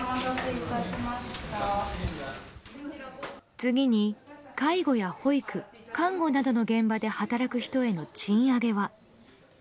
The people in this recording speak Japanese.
次に、介護や保育看護などの現場で働く人への賃上げは。